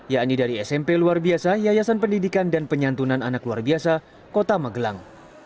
yakni dari smp luar biasa yayasan pendidikan dan penyantunan anak luar biasa kota magelang